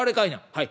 「はい。